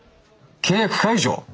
契約解除！？